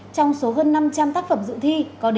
trong số hơn năm trăm linh tác phẩm dự thi